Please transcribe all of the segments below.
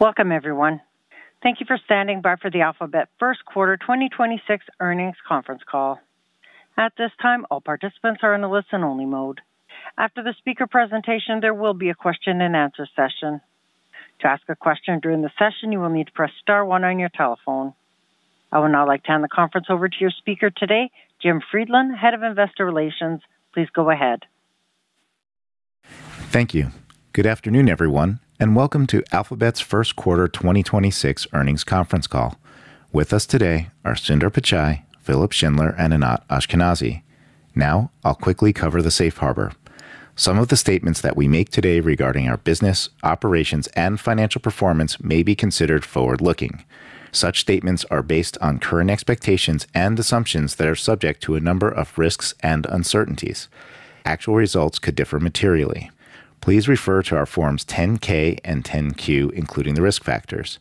Welcome, everyone. Thank you for standing by for the Alphabet First Quarter 2026 Earnings Conference Call. At this time, all participants are in a listen-only mode. After the speaker presentation, there will be a question-and-answer session. I would now like to hand the conference over to your speaker today, Jim Friedland, Head of Investor Relations. Please go ahead. Thank you. Good afternoon, everyone, and welcome to Alphabet's First Quarter 2026 Earnings Conference Call. With us today are Sundar Pichai, Philipp Schindler, and Anat Ashkenazi. Now, I'll quickly cover the safe harbor. Some of the statements that we make today regarding our business, operations, and financial performance may be considered forward-looking. Such statements are based on current expectations and assumptions that are subject to a number of risks and uncertainties. Actual results could differ materially. Please refer to our forms 10-K and 10-Q, including the risk factors.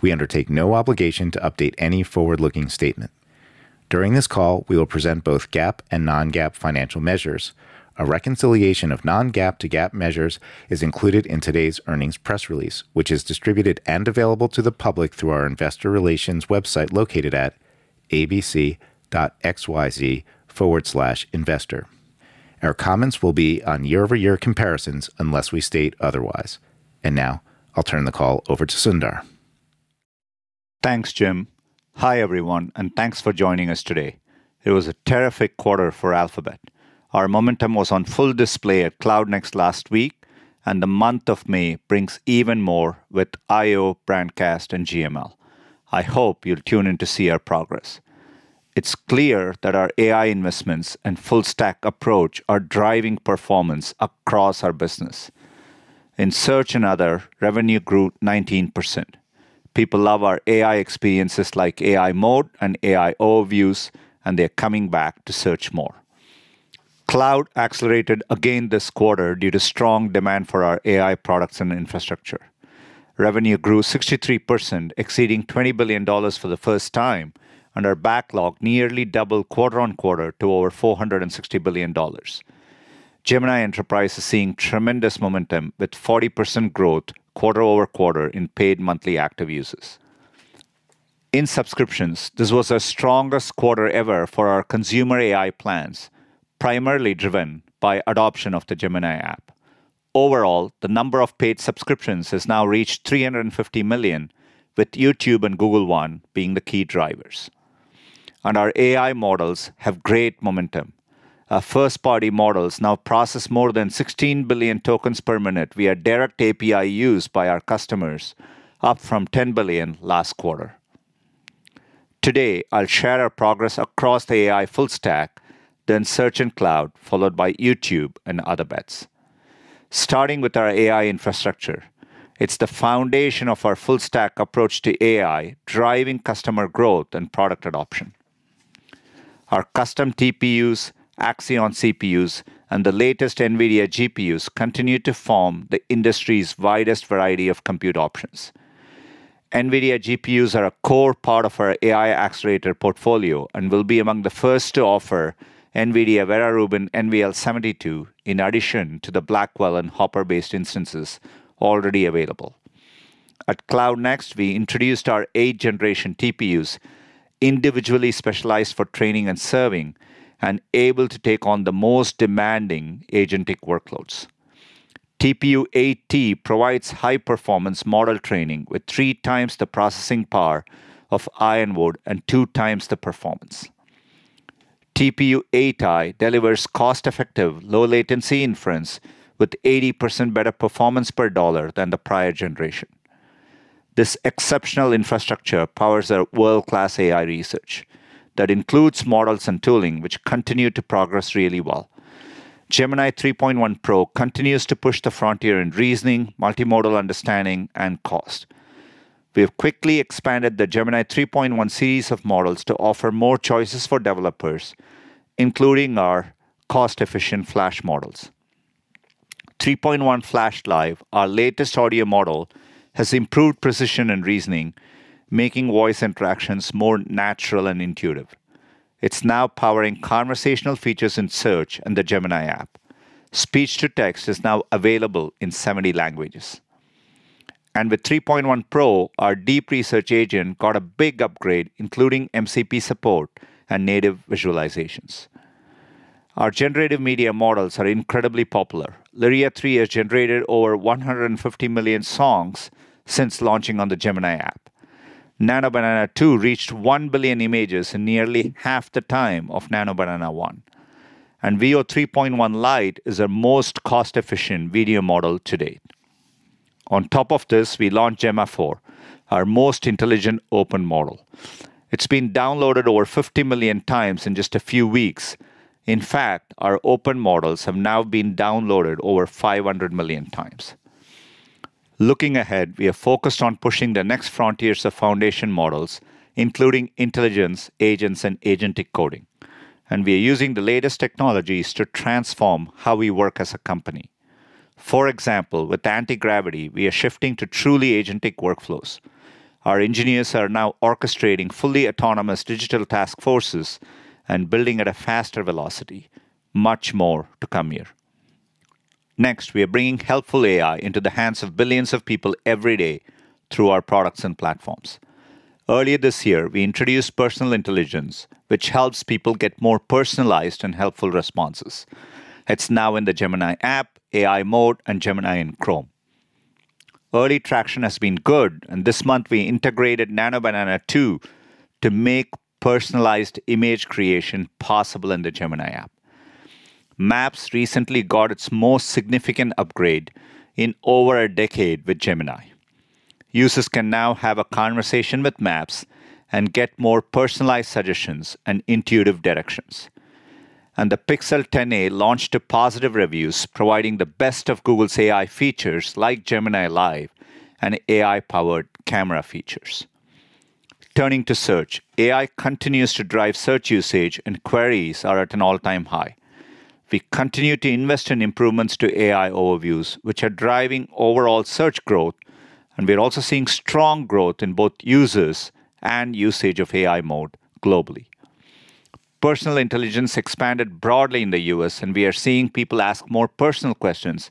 We undertake no obligation to update any forward-looking statement. During this call, we will present both GAAP and non-GAAP financial measures. A reconciliation of non-GAAP to GAAP measures is included in today's earnings press release, which is distributed and available to the public through our investor relations website located at abc.xyz/investor. Our comments will be on year-over-year comparisons unless we state otherwise. Now I'll turn the call over to Sundar. Thanks, Jim. Hi, everyone, and thanks for joining us today. It was a terrific quarter for Alphabet. Our momentum was on full display at Cloud Next last week, and the month of May brings even more with I/O, Brandcast, and GML. I hope you'll tune in to see our progress. It's clear that our AI investments and full-stack approach are driving performance across our business. In Search and Other, revenue grew 19%. People love our AI experiences like AI Mode and AI Overviews, and they're coming back to Search more. Cloud accelerated again this quarter due to strong demand for our AI products and infrastructure. Revenue grew 63%, exceeding $20 billion for the first time, and our backlog nearly doubled quarter-on-quarter to over $460 billion. Gemini Enterprise is seeing tremendous momentum with 40% growth quarter-over-quarter in paid monthly active users. In subscriptions, this was our strongest quarter ever for our consumer AI plans, primarily driven by adoption of the Gemini app. The number of paid subscriptions has now reached 350 million, with YouTube and Google One being the key drivers. Our AI models have great momentum. Our first-party models now process more than 16 billion tokens per minute via direct API use by our customers, up from 10 billion last quarter. Today, I'll share our progress across the AI full stack, then Search and Cloud, followed by YouTube and other bets. Starting with our AI infrastructure, it's the foundation of our full-stack approach to AI, driving customer growth and product adoption. Our custom TPUs, Axion CPUs, and the latest NVIDIA GPUs continue to form the industry's widest variety of compute options. NVIDIA GPUs are a core part of our AI accelerator portfolio and will be among the first to offer NVIDIA Vera Rubin NVL 72 in addition to the Blackwell and Hopper-based instances already available. At Cloud Next, we introduced our 8th-gen TPUs, individually specialized for training and serving and able to take on the most demanding agentic workloads. TPU 8t provides high-performance model training with three times the processing power of Ironwood and two times the performance. TPU 8i delivers cost-effective, low-latency inference with 80% better performance per dollar than the prior generation. This exceptional infrastructure powers our world-class AI research. That includes models and tooling, which continue to progress really well. Gemini 3.1 Pro continues to push the frontier in reasoning, multimodal understanding, and cost. We have quickly expanded the Gemini 3.1 series of models to offer more choices for developers, including our cost-efficient Flash models. 3.1 Flash Live, our latest audio model, has improved precision and reasoning, making voice interactions more natural and intuitive. It's now powering conversational features in Search and the Gemini app. Speech-to-text is now available in 70 languages. With 3.1 Pro, our deep research agent got a big upgrade, including MCP support and native visualizations. Our generative media models are incredibly popular. Lyria 3 has generated over 150 million songs since launching on the Gemini app. Nano Banana 2 reached 1 billion images in nearly half the time of Nano Banana 1. Veo 3.1 Lite is our most cost-efficient video model to date. On top of this, we launched Gemma 4, our most intelligent open model. It's been downloaded over 50 million times in just a few weeks. In fact, our open models have now been downloaded over 500 million times. Looking ahead, we are focused on pushing the next frontiers of foundation models, including intelligence, agents, and agentic coding. We are using the latest technologies to transform how we work as a company. For example, with Antigravity, we are shifting to truly agentic workflows. Our engineers are now orchestrating fully autonomous digital task forces and building at a faster velocity. Much more to come here. Next, we are bringing helpful AI into the hands of billions of people every day through our products and platforms. Earlier this year, we introduced personal intelligence, which helps people get more personalized and helpful responses. It's now in the Gemini app, AI Mode, and Gemini in Chrome. Early traction has been good, this month we integrated Nano Banana 2 to make personalized image creation possible in the Gemini app. Maps recently got its most significant upgrade in over a decade with Gemini. Users can now have a conversation with Maps and get more personalized suggestions and intuitive directions. The Pixel 10a launched to positive reviews, providing the best of Google's AI features like Gemini Live and AI-powered camera features. Turning to Search, AI continues to drive search usage and queries are at an all-time high. We continue to invest in improvements to AI Overviews, which are driving overall search growth, and we are also seeing strong growth in both users and usage of AI Mode globally. Personal intelligence expanded broadly in the U.S., and we are seeing people ask more personal questions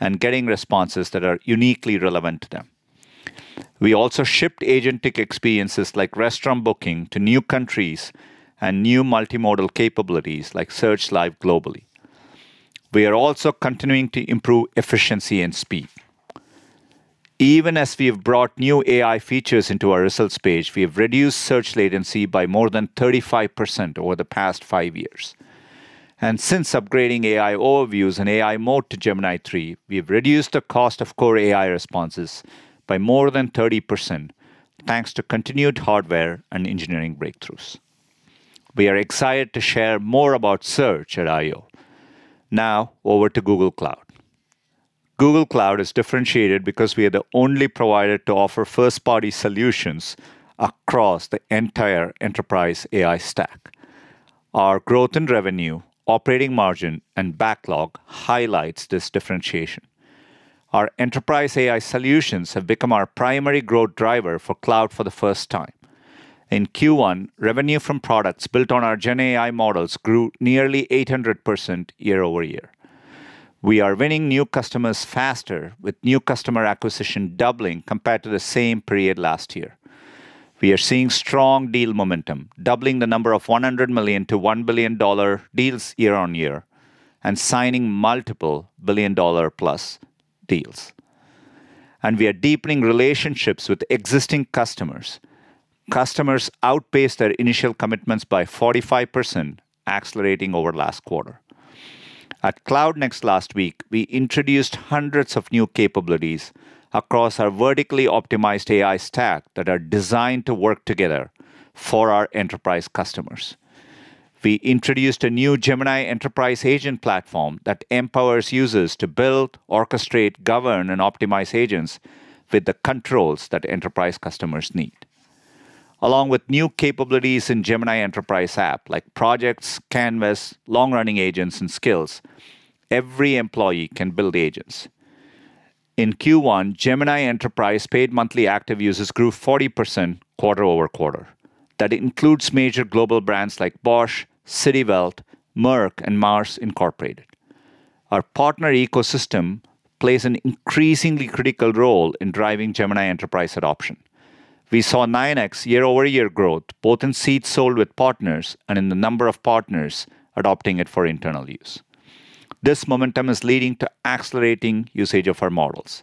and getting responses that are uniquely relevant to them. We also shipped agentic experiences like restaurant booking to new countries and new multimodal capabilities like Search Live globally. We are also continuing to improve efficiency and speed. Even as we have brought new AI features into our results page, we have reduced search latency by more than 35% over the past five years. Since upgrading AI Overviews and AI Mode to Gemini 3, we have reduced the cost of core AI responses by more than 30%, thanks to continued hardware and engineering breakthroughs. We are excited to share more about search at I/O. Now over to Google Cloud. Google Cloud is differentiated because we are the only provider to offer first-party solutions across the entire enterprise AI stack. Our growth in revenue, operating margin, and backlog highlights this differentiation. Our enterprise AI solutions have become our primary growth driver for Cloud for the first time. In Q1, revenue from products built on our GenAI models grew nearly 800% year-over-year. We are winning new customers faster with new customer acquisition doubling compared to the same period last year. We are seeing strong deal momentum, doubling the number of $100 million to $1 billion deals year-on-year and signing multiple $1 billion+ deals. We are deepening relationships with existing customers. Customers outpaced their initial commitments by 45%, accelerating over last quarter. At Cloud Next last week, we introduced hundreds of new capabilities across our vertically optimized AI stack that are designed to work together for our enterprise customers. We introduced a new Gemini Enterprise agent platform that empowers users to build, orchestrate, govern, and optimize agents with the controls that enterprise customers need. Along with new capabilities in Gemini Enterprise app like Projects, Canvas, long-running agents and skills, every employee can build agents. In Q1, Gemini Enterprise paid monthly active users grew 40% quarter-over-quarter. That includes major global brands like Bosch, Citi Wealth, Merck, and Mars Incorporated. Our partner ecosystem plays an increasingly critical role in driving Gemini Enterprise adoption. We saw 9x year-over-year growth, both in seats sold with partners and in the number of partners adopting it for internal use. This momentum is leading to accelerating usage of our models.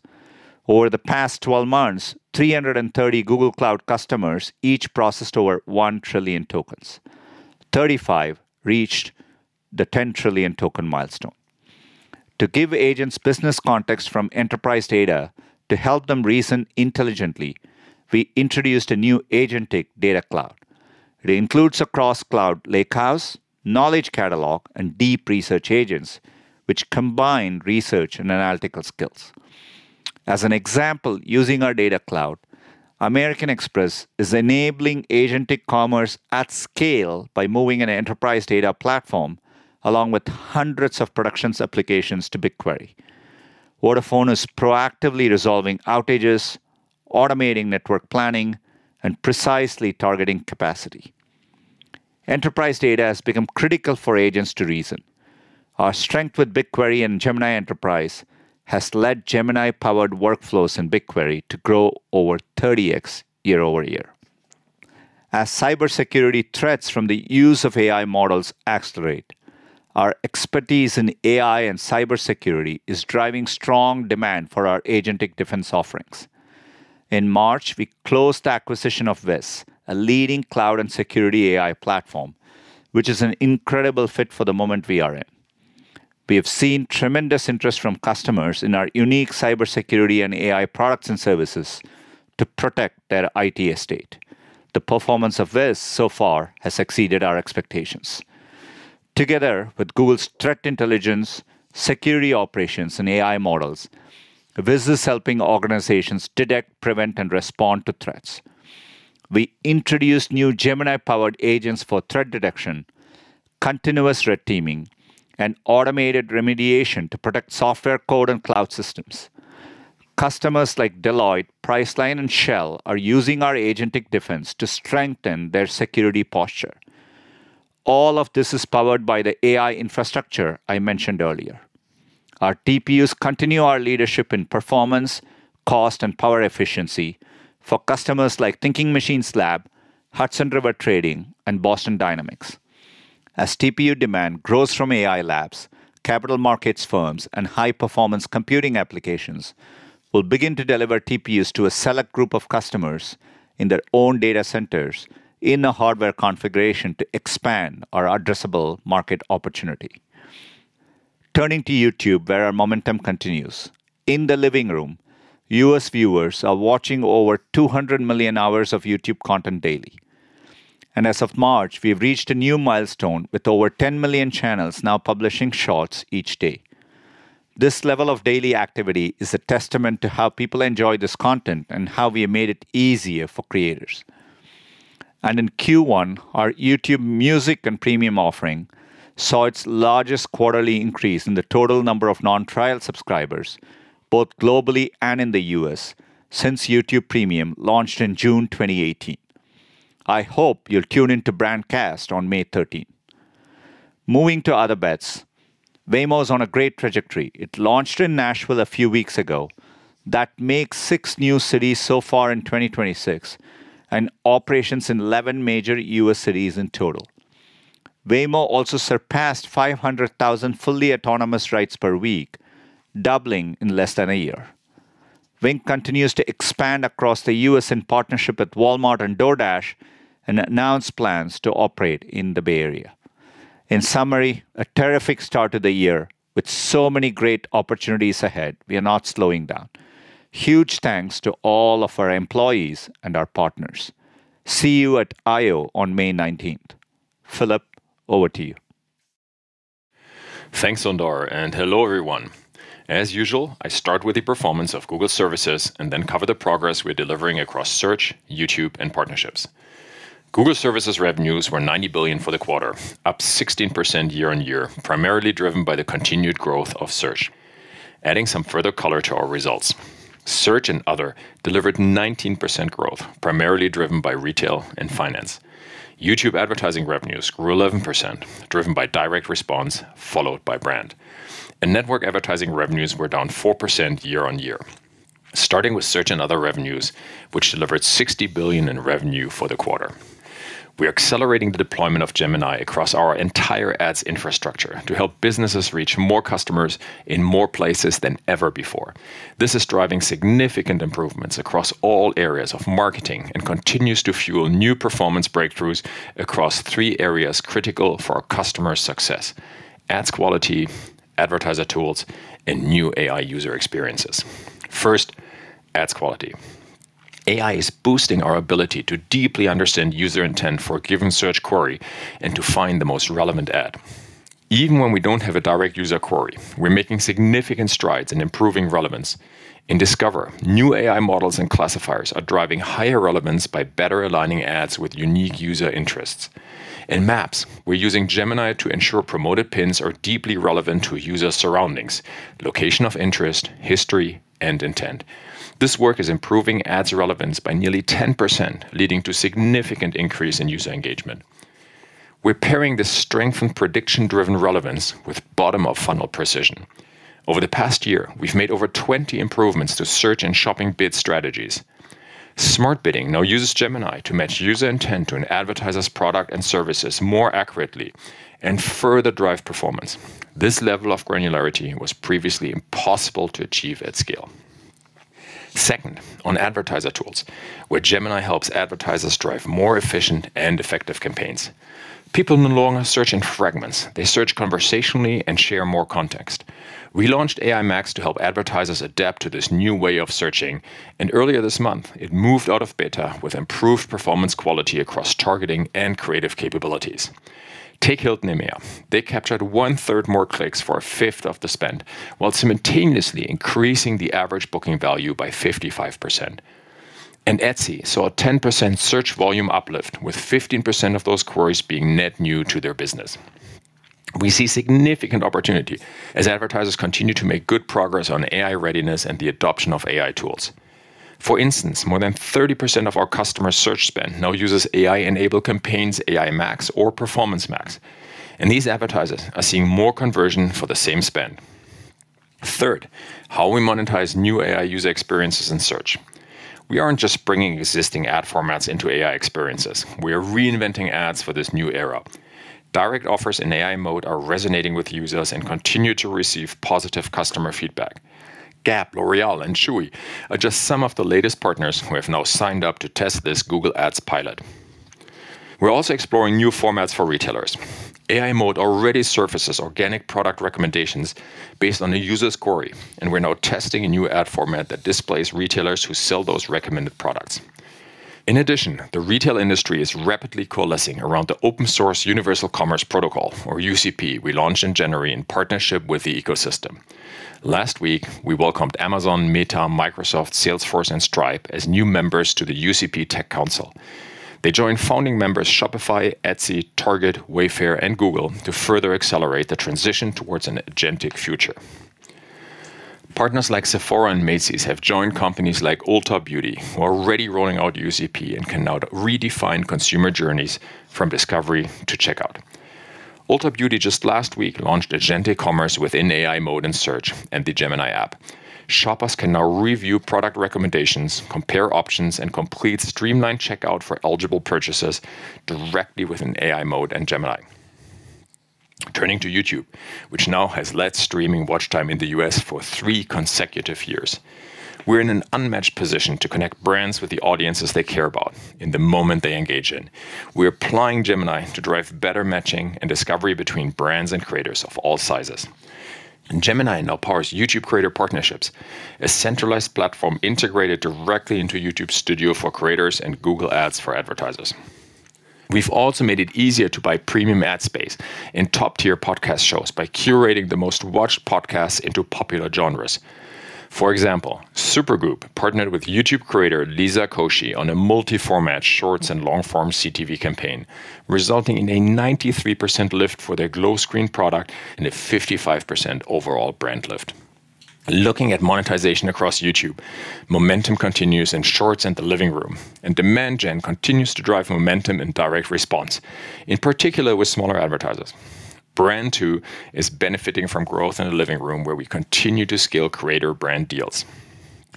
Over the past 12 months, 330 Google Cloud customers each processed over 1 trillion tokens. 35 reached the 10 trillion token milestone. To give agents business context from enterprise data to help them reason intelligently, we introduced a new agentic Data Cloud. It includes across-cloud lakehouse, knowledge catalog, and deep research agents which combine research and analytical skills. As an example, using our Data Cloud, American Express is enabling agentic commerce at scale by moving an enterprise data platform along with hundreds of production applications to BigQuery. Vodafone is proactively resolving outages, automating network planning, and precisely targeting capacity. Enterprise data has become critical for agents to reason. Our strength with BigQuery and Gemini Enterprise has led Gemini-powered workflows in BigQuery to grow over 30x year-over-year. As cybersecurity threats from the use of AI models accelerate, our expertise in AI and cybersecurity is driving strong demand for our agentic defense offerings. In March, we closed the acquisition of Wiz, a leading cloud and security AI platform, which is an incredible fit for the moment we are in. We have seen tremendous interest from customers in our unique cybersecurity and AI products and services to protect their IT estate. The performance of this so far has exceeded our expectations. Together with Google's threat intelligence, security operations, and AI models, Wiz is helping organizations detect, prevent, and respond to threats. We introduced new Gemini-powered agents for threat detection, continuous red teaming, and automated remediation to protect software code and cloud systems. Customers like Deloitte, Priceline, and Shell are using our agentic defense to strengthen their security posture. All of this is powered by the AI infrastructure I mentioned earlier. Our TPUs continue our leadership in performance, cost, and power efficiency for customers like Thinking Machines Lab, Hudson River Trading, and Boston Dynamics. As TPU demand grows from AI labs, capital markets firms and high-performance computing applications will begin to deliver TPUs to a select group of customers in their own data centers in a hardware configuration to expand our addressable market opportunity. Turning to YouTube, where our momentum continues. In the living room, U.S. viewers are watching over 200 million hours of YouTube content daily. As of March, we have reached a new milestone with over 10 million channels now publishing Shorts each day. This level of daily activity is a testament to how people enjoy this content and how we have made it easier for creators. In Q1, our YouTube Music and Premium offering saw its largest quarterly increase in the total number of non-trial subscribers, both globally and in the U.S. since YouTube Premium launched in June 2018. I hope you'll tune into Brandcast on May 13th. Moving to other bets. Waymo's on a great trajectory. It launched in Nashville a few weeks ago. That makes six new cities so far in 2026, and operations in 11 major U.S. cities in total. Waymo also surpassed 500,000 fully autonomous rides per week, doubling in less than a year. Wing continues to expand across the U.S. in partnership with Walmart and DoorDash and announced plans to operate in the Bay Area. In summary, a terrific start to the year with so many great opportunities ahead. We are not slowing down. Huge thanks to all of our employees and our partners. See you at I/O on May 19th. Philipp, over to you. Thanks, Sundar, and hello, everyone. As usual, I start with the performance of Google Services and then cover the progress we're delivering across Search, YouTube and partnerships. Google Services revenues were $90 billion for the quarter, up 16% year-on-year, primarily driven by the continued growth of Search. Adding some further color to our results. Search and Other delivered 19% growth, primarily driven by retail and finance. YouTube advertising revenues grew 11%, driven by direct response followed by brand. Network advertising revenues were down 4% year-on-year. Starting with Search and Other revenues, which delivered $60 billion in revenue for the quarter. We're accelerating the deployment of Gemini across our entire Ads infrastructure to help businesses reach more customers in more places than ever before. This is driving significant improvements across all areas of marketing and continues to fuel new performance breakthroughs across three areas critical for our customers' success: Ads quality, Advertiser tools, and new AI user experiences. First, Ads quality. AI is boosting our ability to deeply understand user intent for a given Search query and to find the most relevant ad. Even when we don't have a direct user query, we're making significant strides in improving relevance. In Discover, new AI models and classifiers are driving higher relevance by better aligning ads with unique user interests. In Maps, we're using Gemini to ensure promoted pins are deeply relevant to a user's surroundings, location of interest, history, and intent. This work is improving ads relevance by nearly 10%, leading to significant increase in user engagement. We're pairing the strength and prediction-driven relevance with bottom-of-funnel precision. Over the past year, we've made over 20 improvements to Search and shopping bid strategies. Smart Bidding now uses Gemini to match user intent to an advertiser's product and services more accurately and further drive performance. This level of granularity was previously impossible to achieve at scale. Second, on advertiser tools, where Gemini helps advertisers drive more efficient and effective campaigns. People no longer search in fragments. They search conversationally and share more context. We launched AI Max to help advertisers adapt to this new way of searching. Earlier this month, it moved out of beta with improved performance quality across targeting and creative capabilities. Take Hilton EMEA. They captured 1/3 more clicks for 1/5 of the spend, while simultaneously increasing the average booking value by 55%. Etsy saw a 10% search volume uplift, with 15% of those queries being net new to their business. We see significant opportunity as advertisers continue to make good progress on AI readiness and the adoption of AI tools. For instance, more than 30% of our customer Search spend now uses AI-enabled campaigns, AI Max, or Performance Max, and these advertisers are seeing more conversion for the same spend. Third, how we monetize new AI user experiences in Search. We aren't just bringing existing ad formats into AI experiences. We are reinventing ads for this new era. Direct offers in AI Mode are resonating with users and continue to receive positive customer feedback. Gap, L'Oréal, and Chewy are just some of the latest partners who have now signed up to test this Google Ads pilot. We're also exploring new formats for retailers. AI Mode already surfaces organic product recommendations based on a user's query, and we're now testing a new ad format that displays retailers who sell those recommended products. In addition, the retail industry is rapidly coalescing around the open source Universal Commerce Protocol, or UCP, we launched in January in partnership with the ecosystem. Last week, we welcomed Amazon, Meta, Microsoft, Salesforce, and Stripe as new members to the UCP Tech Council. They join founding members Shopify, Etsy, Target, Wayfair, and Google to further accelerate the transition towards an agentic future. Partners like Sephora and Macy's have joined companies like Ulta Beauty, who are already rolling out UCP and can now redefine consumer journeys from discovery to checkout. Ulta Beauty just last week launched agentic commerce within AI Mode and Search and the Gemini app. Shoppers can now review product recommendations, compare options, and complete streamlined checkout for eligible purchases directly within AI Mode and Gemini. Turning to YouTube, which now has led streaming watch time in the U.S. for three consecutive years. We're in an unmatched position to connect brands with the audiences they care about in the moment they engage in. We're applying Gemini to drive better matching and discovery between brands and creators of all sizes. Gemini now powers YouTube Creator Partnerships, a centralized platform integrated directly into YouTube Studio for creators and Google Ads for advertisers. We've also made it easier to buy premium ad space in top-tier podcast shows by curating the most watched podcasts into popular genres. Supergoop! partnered with YouTube creator Liza Koshy on a multi-format Shorts and long-form CTV campaign, resulting in a 93% lift for their Glowscreen product and a 55% overall brand lift. Looking at monetization across YouTube, momentum continues in Shorts and the Living Room, and Demand Gen continues to drive momentum in direct response, in particular with smaller advertisers. Brand, too, is benefiting from growth in the Living Room, where we continue to scale creator brand deals.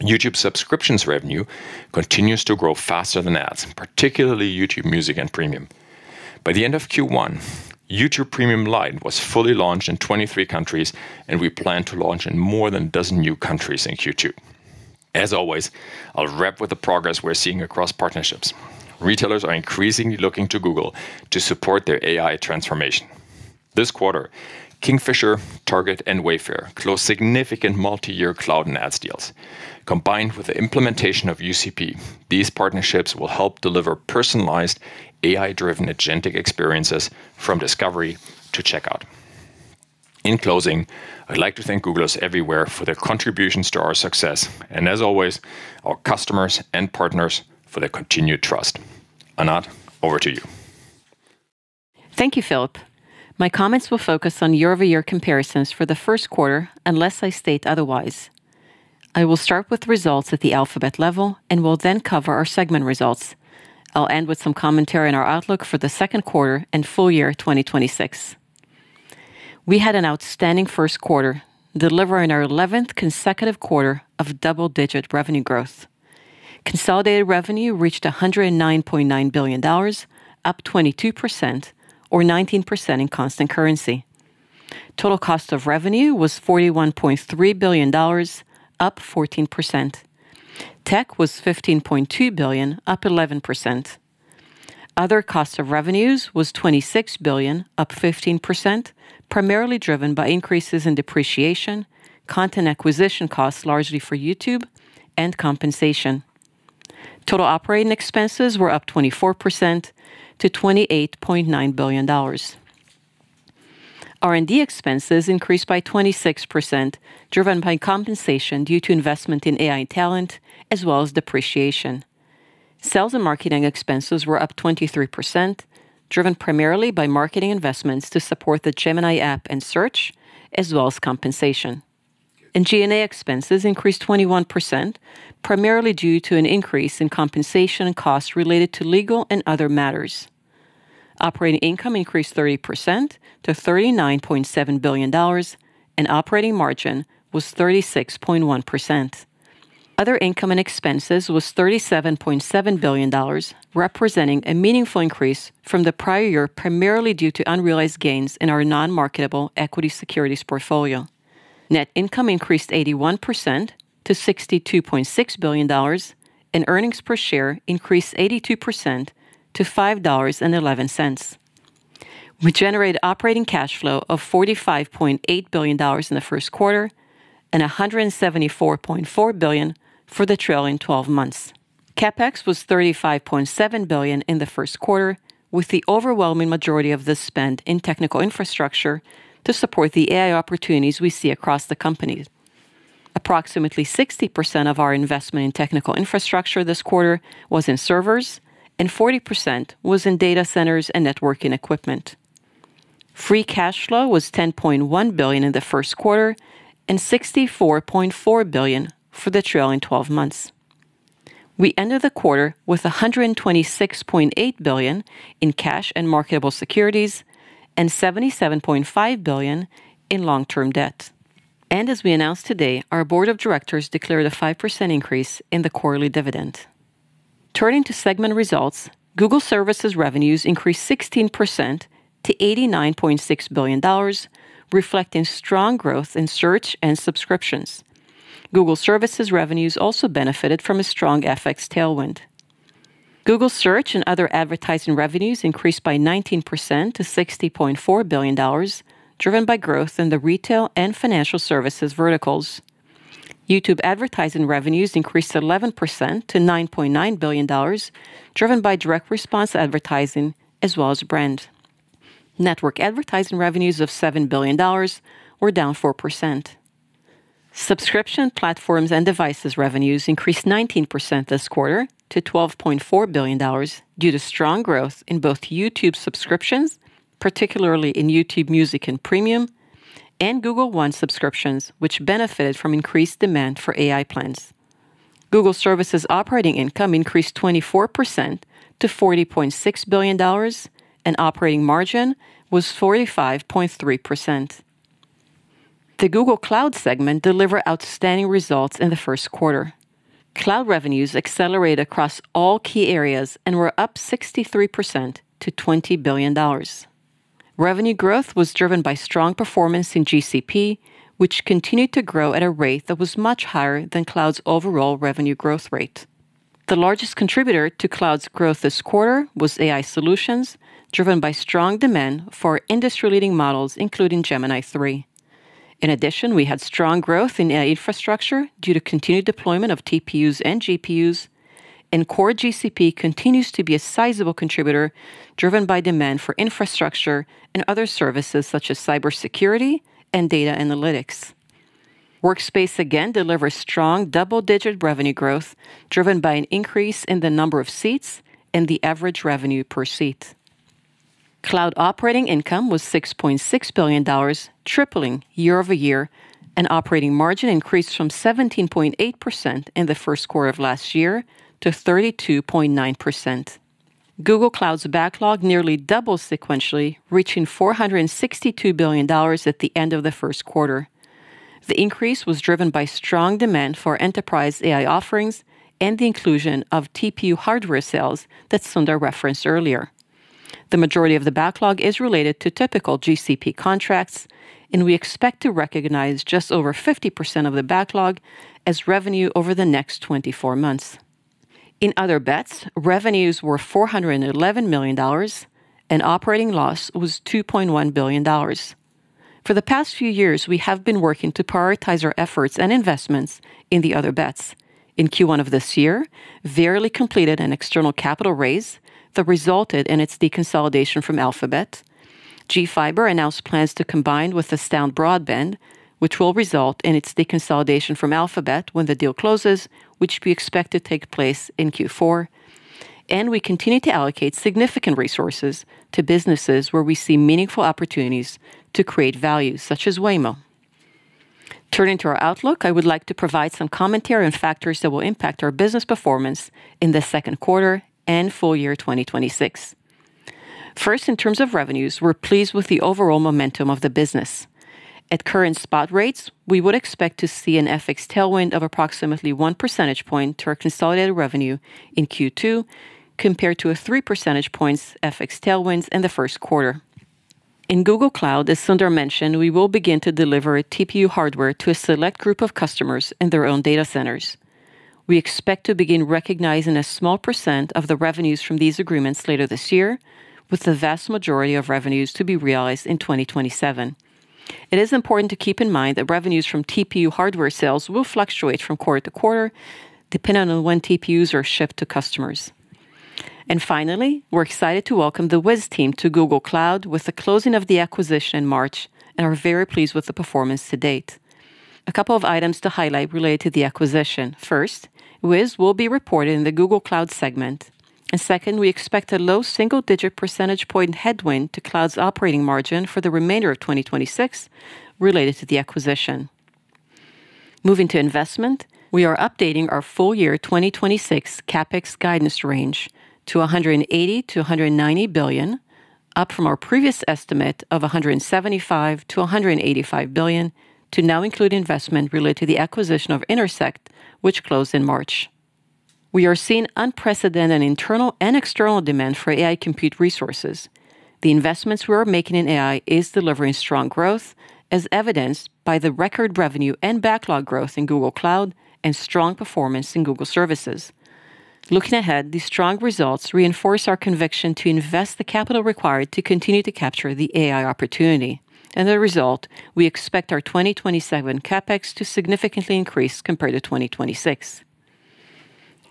YouTube subscriptions revenue continues to grow faster than ads, particularly YouTube Music and Premium. By the end of Q1, YouTube Premium Lite was fully launched in 23 countries, and we plan to launch in more than a dozen new countries in Q2. I'll wrap with the progress we're seeing across partnerships. Retailers are increasingly looking to Google to support their AI transformation. This quarter, Kingfisher, Target, and Wayfair closed significant multi-year cloud and ads deals. Combined with the implementation of UCP, these partnerships will help deliver personalized AI-driven agentic experiences from discovery to checkout. In closing, I'd like to thank Googlers everywhere for their contributions to our success and, as always, our customers and partners for their continued trust. Anat, over to you. Thank you, Philipp. My comments will focus on year-over-year comparisons for the first quarter, unless I state otherwise. I will start with results at the Alphabet level and will then cover our segment results. I'll end with some commentary on our outlook for the second quarter and full-year 2026. We had an outstanding first quarter, delivering our 11th consecutive quarter of double-digit revenue growth. Consolidated revenue reached $109.9 billion, up 22% or 19% in constant currency. Total cost of revenue was $41.3 billion, up 14%. Tech was $15.2 billion, up 11%. Other cost of revenues was $26 billion, up 15%, primarily driven by increases in depreciation, content acquisition costs largely for YouTube, and compensation. Total operating expenses were up 24% to $28.9 billion. R&D expenses increased by 26%, driven by compensation due to investment in AI talent as well as depreciation. Sales and marketing expenses were up 23%, driven primarily by marketing investments to support the Gemini app and Search, as well as compensation. G&A expenses increased 21%, primarily due to an increase in compensation and costs related to legal and other matters. Operating income increased 30% to $39.7 billion, and operating margin was 36.1%. Other income and expenses was $37.7 billion, representing a meaningful increase from the prior year, primarily due to unrealized gains in our non-marketable equity securities portfolio. Net income increased 81% to $62.6 billion, and earnings per share increased 82% to $5.11. We generated operating cash flow of $45.8 billion in the first quarter and $174.4 billion for the trailing twelve months. CapEx was $35.7 billion in the first quarter, with the overwhelming majority of this spent in technical infrastructure to support the AI opportunities we see across the company. Approximately 60% of our investment in technical infrastructure this quarter was in servers, and 40% was in data centers and networking equipment. Free cash flow was $10.1 billion in the first quarter and $64.4 billion for the trailing 12 months. We ended the quarter with $126.8 billion in cash and marketable securities and $77.5 billion in long-term debt. As we announced today, our board of directors declared a 5% increase in the quarterly dividend. Turning to segment results, Google services revenues increased 16% to $89.6 billion, reflecting strong growth in Search and subscriptions. Google services revenues also benefited from a strong FX tailwind. Google Search and other advertising revenues increased by 19% to $60.4 billion, driven by growth in the retail and financial services verticals. YouTube advertising revenues increased 11% to $9.9 billion, driven by direct response advertising as well as brand. Network advertising revenues of $7 billion were down 4%. Subscription platforms and devices revenues increased 19% this quarter to $12.4 billion due to strong growth in both YouTube subscriptions, particularly in YouTube Music and Premium, and Google One subscriptions, which benefited from increased demand for AI plans. Google Services operating income increased 24% to $40.6 billion. Operating margin was 45.3%. The Google Cloud segment delivered outstanding results in the first quarter. Cloud revenues accelerated across all key areas and were up 63% to $20 billion. Revenue growth was driven by strong performance in GCP, which continued to grow at a rate that was much higher than Cloud's overall revenue growth rate. The largest contributor to Cloud's growth this quarter was AI solutions, driven by strong demand for industry-leading models, including Gemini 3. In addition, we had strong growth in AI infrastructure due to continued deployment of TPUs and GPUs, and core GCP continues to be a sizable contributor, driven by demand for infrastructure and other services such as cybersecurity and data analytics. Workspace, again, delivers strong double-digit revenue growth, driven by an increase in the number of seats and the average revenue per seat. Cloud operating income was $6.6 billion, tripling year-over-year, and operating margin increased from 17.8% in the first quarter of last year to 32.9%. Google Cloud's backlog nearly doubled sequentially, reaching $462 billion at the end of the first quarter. The increase was driven by strong demand for enterprise AI offerings and the inclusion of TPU hardware sales that Sundar referenced earlier. The majority of the backlog is related to typical GCP contracts, and we expect to recognize just over 50% of the backlog as revenue over the next 24 months. In Other Bets, revenues were $411 million, and operating loss was $2.1 billion. For the past few years, we have been working to prioritize our efforts and investments in the Other Bets. In Q1 of this year, Verily completed an external capital raise that resulted in its deconsolidation from Alphabet. GFiber announced plans to combine with Astound Broadband, which will result in its deconsolidation from Alphabet when the deal closes, which we expect to take place in Q4. We continue to allocate significant resources to businesses where we see meaningful opportunities to create value, such as Waymo. Turning to our outlook, I would like to provide some commentary on factors that will impact our business performance in the second quarter and full-year 2026. First, in terms of revenues, we're pleased with the overall momentum of the business. At current spot rates, we would expect to see an FX tailwind of approximately 1 percentage point to our consolidated revenue in Q2 compared to a 3 percentage points FX tailwinds in the first quarter. In Google Cloud, as Sundar mentioned, we will begin to deliver TPU hardware to a select group of customers in their own data centers. We expect to begin recognizing a small percent of the revenues from these agreements later this year, with the vast majority of revenues to be realized in 2027. It is important to keep in mind that revenues from TPU hardware sales will fluctuate from quarter-to-quarter depending on when TPUs are shipped to customers. Finally, we're excited to welcome the Wiz team to Google Cloud with the closing of the acquisition in March and are very pleased with the performance to date. A couple of items to highlight related to the acquisition. First, Wiz will be reported in the Google Cloud segment. Second, we expect a low single-digit percentage point headwind to Cloud's operating margin for the remainder of 2026 related to the acquisition. Moving to investment, we are updating our full-year 2026 CapEx guidance range to $180 billion-$190 billion, up from our previous estimate of $175 billion-$185 billion, to now include investment related to the acquisition of Intersect, which closed in March. We are seeing unprecedented internal and external demand for AI compute resources. The investments we are making in AI is delivering strong growth, as evidenced by the record revenue and backlog growth in Google Cloud and strong performance in Google Services. Looking ahead, these strong results reinforce our conviction to invest the capital required to continue to capture the AI opportunity. As a result, we expect our 2027 CapEx to significantly increase compared to 2026.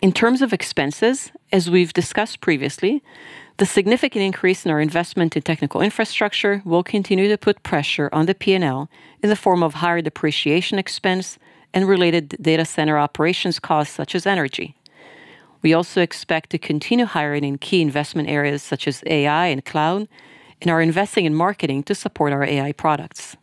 In terms of expenses, as we've discussed previously, the significant increase in our investment in technical infrastructure will continue to put pressure on the P&L in the form of higher depreciation expense and related data center operations costs, such as energy. We also expect to continue hiring in key investment areas such as AI and Cloud and are investing in marketing to support our AI products.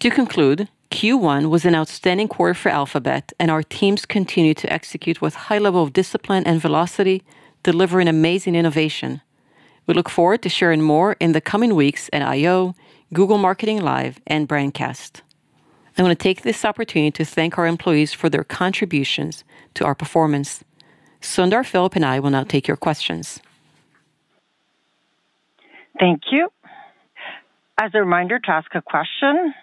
To conclude, Q1 was an outstanding quarter for Alphabet, and our teams continue to execute with high level of discipline and velocity, delivering amazing innovation. We look forward to sharing more in the coming weeks at I/O, Google Marketing Live, and Brandcast. I want to take this opportunity to thank our employees for their contributions to our performance. Sundar, Philipp, and I will now take your questions. Thank you. As a reminder, to ask a question,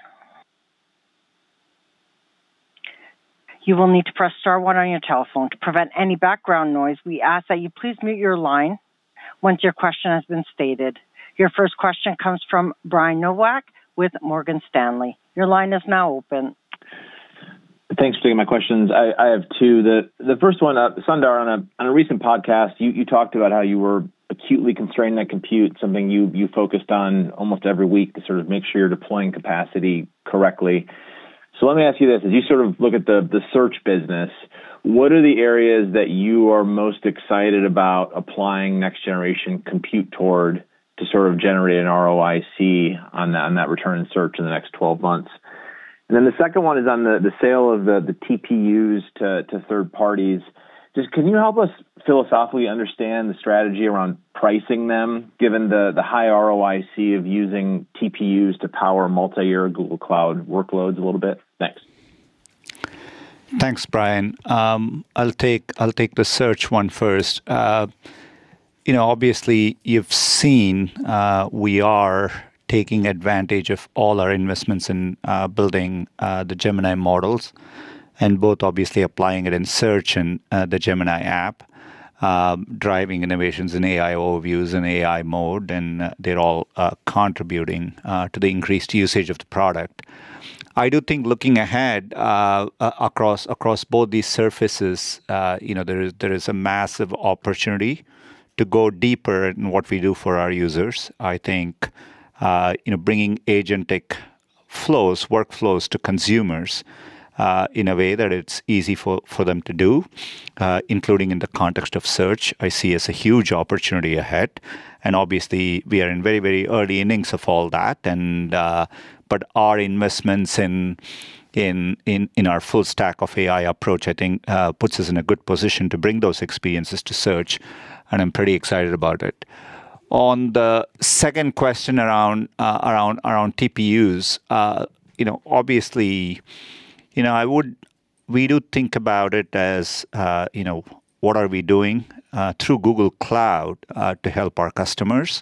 you will need to press star one on your telephone. To prevent any background noise, we ask that you please mute your line once your question has been stated. Your first question comes from Brian Nowak with Morgan Stanley. Your line is now open. Thanks for taking my questions. I have two. The first one, Sundar, on a recent podcast, you talked about how you were acutely constraining that compute, something you focused on almost every week to sort of make sure you're deploying capacity correctly. Let me ask you this. As you sort of look at the Search business, what are the areas that you are most excited about applying next-generation compute toward to sort of generate an ROIC on that return in Search in the next 12 months? The second one is on the sale of the TPUs to third parties. Just can you help us philosophically understand the strategy around pricing them, given the high ROIC of using TPUs to power multi-year Google Cloud workloads a little bit? Thanks. Thanks, Brian. I'll take the Search one first. You know, obviously you've seen, we are taking advantage of all our investments in building the Gemini models and both obviously applying it in Search and the Gemini app, driving innovations in AI Overviews and AI Mode, and they're all contributing to the increased usage of the product. I do think looking ahead, across both these surfaces, you know, there is a massive opportunity to go deeper in what we do for our users. I think, you know, bringing agentic flows, workflows to consumers in a way that it's easy for them to do, including in the context of Search, I see as a huge opportunity ahead. Obviously we are in very, very early innings of all that, but our investments in our full stack of AI approach, I think, puts us in a good position to bring those experiences to Search, and I'm pretty excited about it. On the second question around TPUs, obviously, we do think about it as, what are we doing through Google Cloud to help our customers?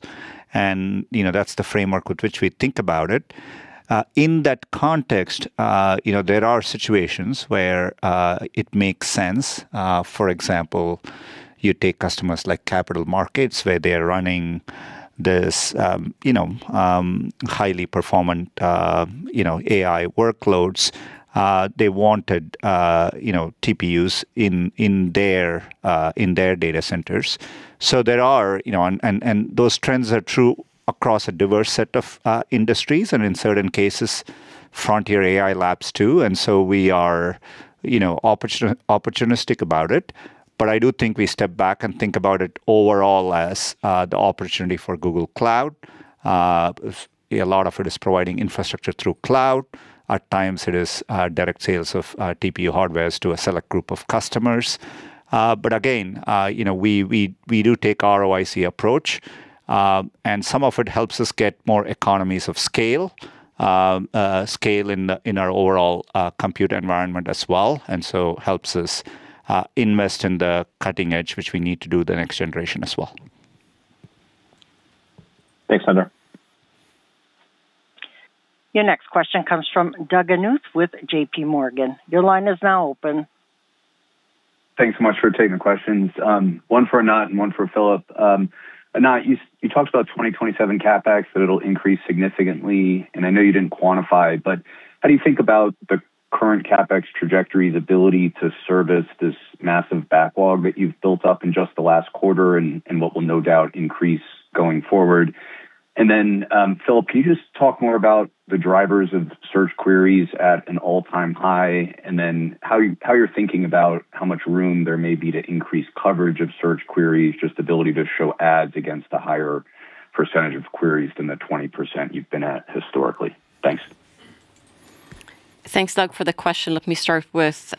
That's the framework with which we think about it. In that context, there are situations where it makes sense. For example, you take customers like capital markets, where they're running this highly performant AI workloads. They wanted, you know, TPUs in their data centers. There are, you know, and those trends are true across a diverse set of industries and in certain cases, frontier AI labs too. We are, you know, opportunistic about it. I do think we step back and think about it overall as the opportunity for Google Cloud. A lot of it is providing infrastructure through cloud. At times it is direct sales of TPU hardwares to a select group of customers. Again, you know, we do take ROIC approach, and some of it helps us get more economies of scale in our overall, compute environment as well, and so helps us invest in the cutting edge, which we need to do the next generation as well. Thanks, Sundar. Your next question comes from Doug Anmuth with JPMorgan. Your line is now open. Thanks so much for taking the questions. One for Anat and one for Philipp. Anat, you talked about 2027 CapEx, that it will increase significantly, and I know you didn't quantify, but how do you think about the current CapEx trajectory's ability to service this massive backlog that you've built up in just the last quarter and what will no doubt increase going forward? Philipp, can you talk more about the drivers of Search queries at an all-time high, and how you're thinking about how much room there may be to increase coverage of Search queries, just ability to show ads against a higher percentage of queries than the 20% you've been at historically? Thanks. Thanks, Doug, for the question. Let me start with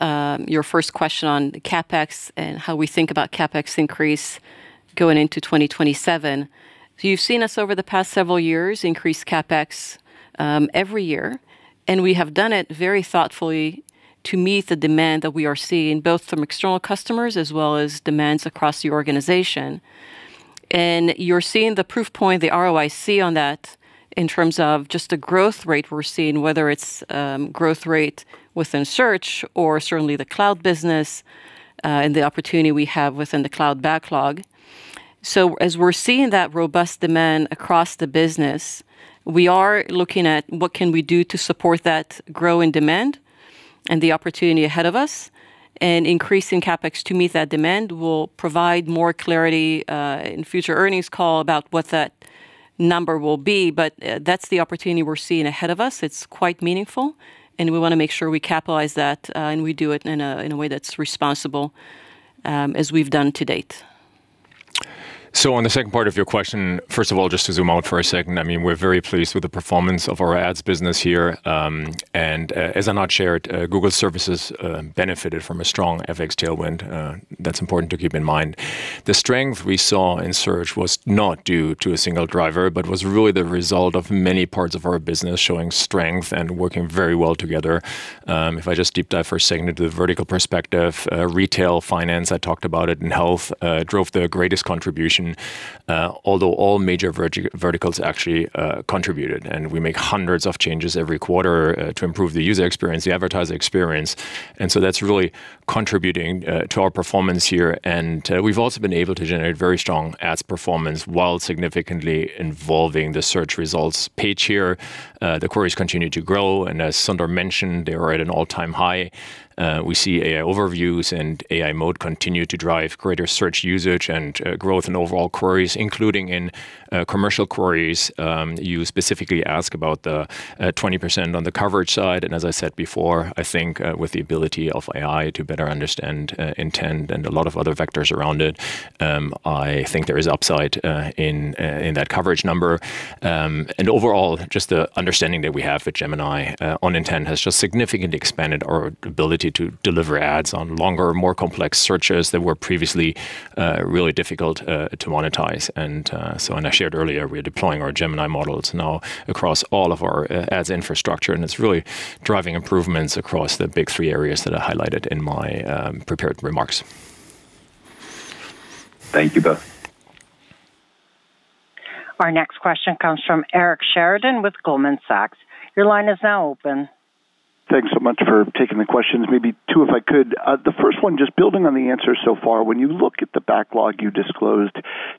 your first question on CapEx and how we think about CapEx increase going into 2027. You've seen us over the past several years increase CapEx every year, and we have done it very thoughtfully to meet the demand that we are seeing, both from external customers as well as demands across the organization. You're seeing the proof point, the ROIC on that in terms of just the growth rate we're seeing, whether it's growth rate within Search or certainly the Cloud business, and the opportunity we have within the Cloud backlog. As we're seeing that robust demand across the business, we are looking at what can we do to support that growing demand and the opportunity ahead of us. Increasing CapEx to meet that demand will provide more clarity in future earnings call about what that number will be. That's the opportunity we're seeing ahead of us. It's quite meaningful, and we want to make sure we capitalize that, and we do it in a way that's responsible, as we've done to date. On the second part of your question, first of all, just to zoom out for a second, I mean, we're very pleased with the performance of our Ads business here. As Anat shared, Google Services benefited from a strong FX tailwind. That's important to keep in mind. The strength we saw in Search was not due to a single driver but was really the result of many parts of our business showing strength and working very well together. If I just deep dive for a second into the vertical perspective, retail, finance, I talked about it, and health drove the greatest contribution, although all major verticals actually contributed. We make hundreds of changes every quarter to improve the user experience, the advertiser experience. That's really contributing to our performance here. We've also been able to generate very strong ads performance while significantly involving the search results page here. The queries continue to grow, and as Sundar mentioned, they are at an all-time high. We see AI Overviews and AI Mode continue to drive greater Search usage and growth in overall queries, including in commercial queries. You specifically ask about the 20% on the coverage side, and as I said before, I think with the ability of AI to better understand intent and a lot of other vectors around it, I think there is upside in that coverage number. Overall, just the understanding that we have for Gemini on intent has just significantly expanded our ability to deliver ads on longer, more complex searches that were previously really difficult to monetize. I shared earlier, we are deploying our Gemini models now across all of our ads infrastructure, and it's really driving improvements across the big three areas that I highlighted in my prepared remarks. Thank you both. Our next question comes from Eric Sheridan with Goldman Sachs. Your line is now open. Thanks so much for taking the questions. Maybe two, if I could. The first one, just building on the answers so far. When you look at the backlog you disclosed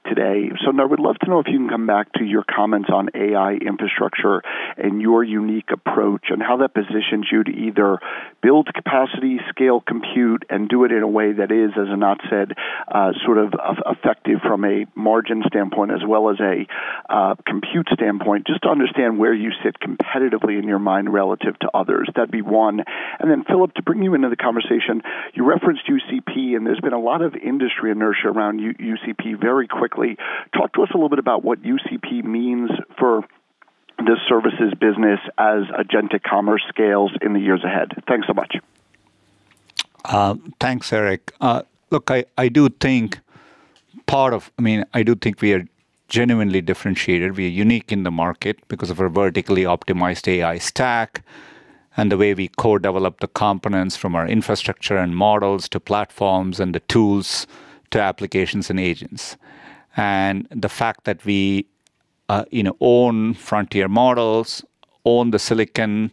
today, Sundar, I would love to know if you can come back to your comments on AI infrastructure and your unique approach and how that positions you to either build capacity, scale, compute, and do it in a way that is, as Anat said, effective from a margin standpoint as well as a compute standpoint, just to understand where you sit competitively in your mind relative to others. That'd be one. Philipp, to bring you into the conversation, you referenced UCP, and there's been a lot of industry inertia around UCP very quickly. Talk to us a little bit about what UCP means for the services business as agentic commerce scales in the years ahead. Thanks so much. Thanks, Eric. Look, I mean, I do think we are genuinely differentiated. We are unique in the market because of our vertically optimized AI stack and the way we co-develop the components from our infrastructure and models to platforms and the tools to applications and agents. The fact that we, you know, own frontier models, own the silicon,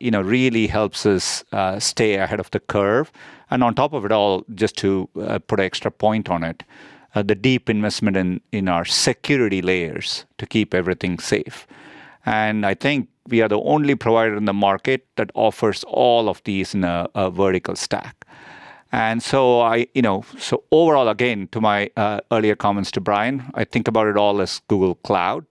you know, really helps us stay ahead of the curve. On top of it all, just to put extra point on it, the deep investment in our security layers to keep everything safe. I think we are the only provider in the market that offers all of these in a vertical stack. I, you know-- So overall, again, to my earlier comments to Brian, I think about it all as Google Cloud.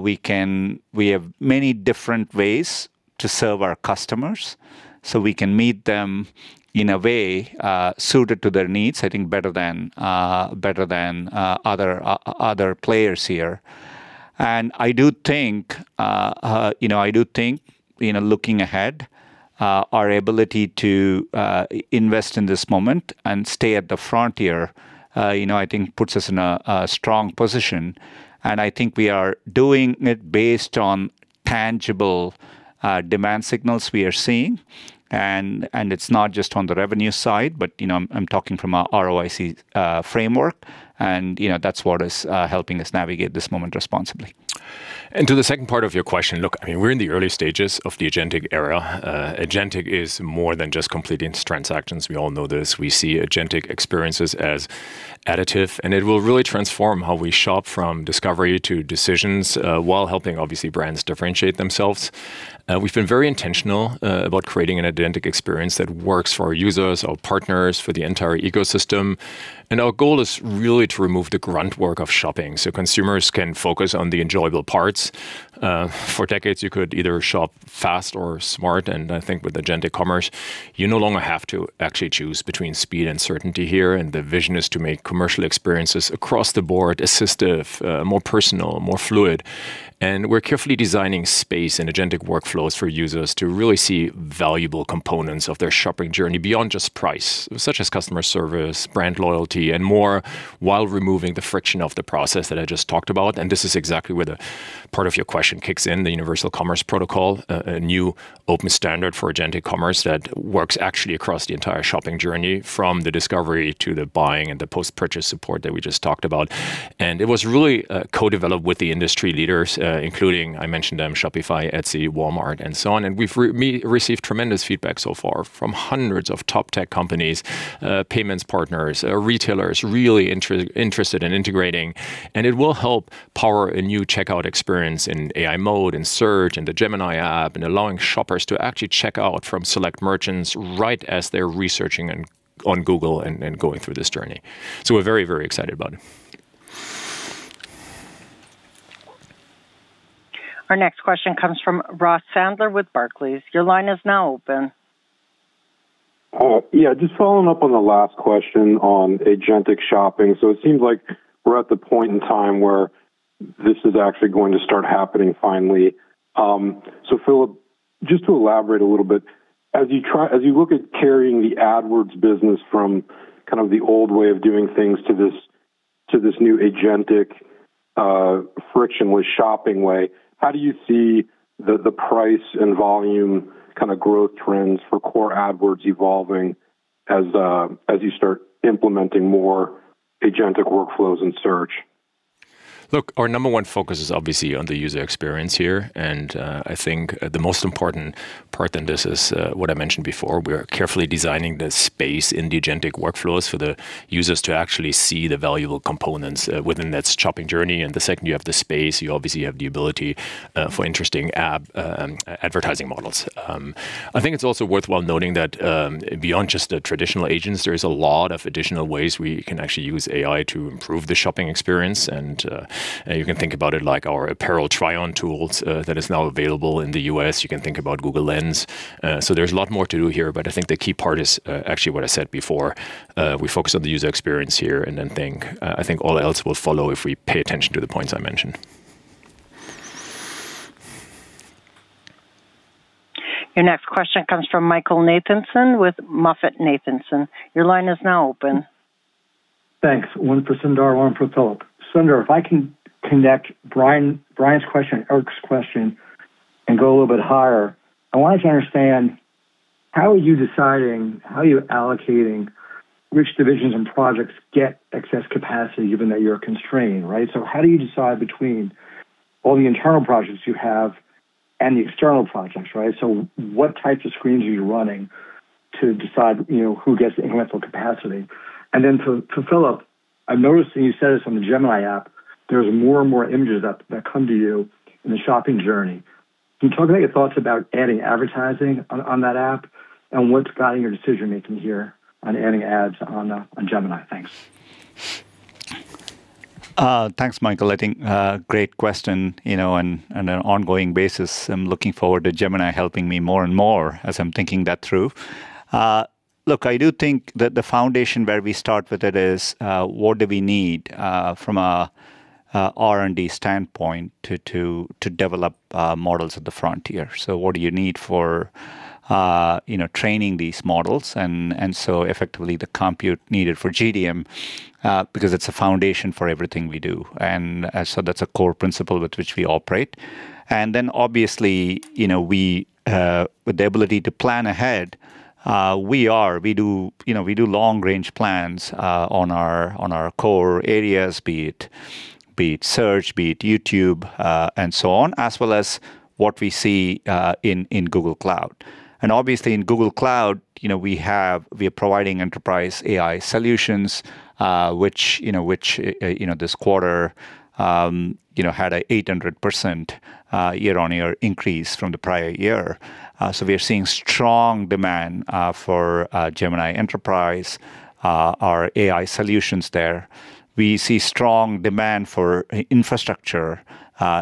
We have many different ways to serve our customers, so we can meet them in a way suited to their needs, I think, better than better than other players here. I do think, you know, I do think, you know, looking ahead, our ability to invest in this moment and stay at the frontier, you know, I think puts us in a strong position. I think we are doing it based on tangible demand signals we are seeing. It's not just on the revenue side, but, you know, I'm talking from a ROIC framework and, you know, that's what is helping us navigate this moment responsibly. To the second part of your question, look, I mean, we're in the early stages of the agentic era. Agentic is more than just completing transactions. We all know this. We see agentic experiences as additive, and it will really transform how we shop from discovery to decisions, while helping obviously brands differentiate themselves. We've been very intentional about creating an agentic experience that works for our users, our partners, for the entire ecosystem. Our goal is really to remove the grunt work of shopping so consumers can focus on the enjoyable parts. For decades, you could either shop fast or smart, and I think with agentic commerce, you no longer have to actually choose between speed and certainty here, and the vision is to make commercial experiences across the board assistive, more personal, more fluid. We're carefully designing space and agentic workflows for users to really see valuable components of their shopping journey beyond just price, such as customer service, brand loyalty, and more, while removing the friction of the process that I just talked about. This is exactly where the part of your question kicks in, the Universal Commerce Protocol, a new open standard for agentic commerce that works actually across the entire shopping journey, from the discovery to the buying and the post-purchase support that we just talked about. It was really co-developed with the industry leaders, including, I mentioned them, Shopify, Etsy, Walmart, and so on. We've received tremendous feedback so far from hundreds of top tech companies, payments partners, retailers really interested in integrating. It will help power a new checkout experience in AI mode, in Search, in the Gemini app, and allowing shoppers to actually check out from select merchants right as they're researching on Google and going through this journey. We're very, very excited about it. Our next question comes from Ross Sandler with Barclays. Your line is now open. Yeah, just following up on the last question on agentic shopping. Philipp, just to elaborate a little bit, as you look at carrying the AdWords business from kind of the old way of doing things to this, to this new agentic, frictionless shopping way, how do you see the price and volume kinda growth trends for core AdWords evolving as you start implementing more agentic workflows in Search? Look, our number 1 focus is obviously on the user experience here. I think, the most important part in this is, what I mentioned before. We are carefully designing the space in the agentic workflows for the users to actually see the valuable components, within that shopping journey. The second you have the space, you obviously have the ability, for interesting app advertising models. I think it's also worthwhile noting that, beyond just the traditional agents, there is a lot of additional ways we can actually use AI to improve the shopping experience. You can think about it like our apparel try-on tools, that is now available in the U.S. You can think about Google Lens. There's a lot more to do here, but I think the key part is, actually what I said before. We focus on the user experience here and then I think all else will follow if we pay attention to the points I mentioned. Your next question comes from Michael Nathanson with MoffettNathanson. Your line is now open. Thanks. One for Sundar, one for Philipp. Sundar, if I can connect Brian's question, Eric's question and go a little bit higher. I wanted to understand. How are you deciding, how are you allocating which divisions and projects get excess capacity even though you're constrained? How do you decide between all the internal projects you have and the external projects? What types of screens are you running to decide, you know, who gets the incremental capacity? Then for Philipp, I've noticed that you said this on the Gemini app, there's more and more images that come to you in the shopping journey. Can you talk about your thoughts about adding advertising on that app, and what's guiding your decision-making here on adding ads on Gemini? Thanks. Thanks, Michael. I think, great question. You know, on an ongoing basis, I'm looking forward to Gemini helping me more and more as I'm thinking that through. Look, I do think that the foundation where we start with it is, what do we need from a R&D standpoint to develop models at the frontier? What do you need for, you know, training these models? Effectively the compute needed for GDM, because it's a foundation for everything we do. That's a core principle with which we operate. Obviously, you know, we with the ability to plan ahead, we do, you know, we do long-range plans on our core areas, be it Search, be it YouTube, and so on, as well as what we see in Google Cloud. Obviously in Google Cloud, you know, we are providing enterprise AI solutions, which, you know, which, you know, this quarter, you know, had a 800% year-on-year increase from the prior year. We are seeing strong demand for Gemini Enterprise, our AI solutions there. We see strong demand for infrastructure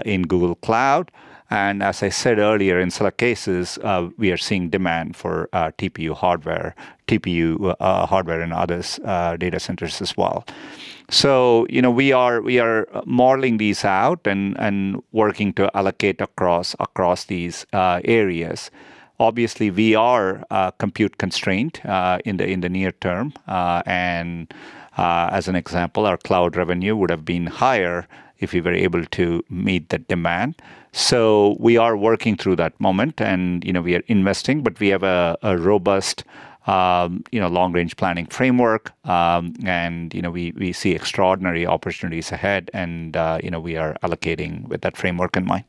in Google Cloud. As I said earlier, in select cases, we are seeing demand for TPU hardware and others, data centers as well. You know, we are modeling these out and working to allocate across these areas. Obviously, we are compute-constrained in the near-term. As an example, our cloud revenue would have been higher if we were able to meet the demand. We are working through that moment and, you know, we are investing, but we have a robust, you know, long-range planning framework. You know, we see extraordinary opportunities ahead and, you know, we are allocating with that framework in mind.